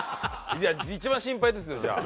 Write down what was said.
一番心配ですよじゃあ。